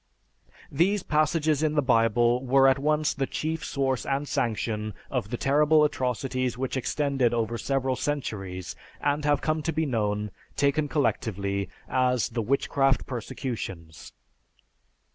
These passages in the Bible were at once the chief source and sanction of the terrible atrocities which extended over several centuries and have come to be known, taken collectively, as the "Witchcraft Persecutions."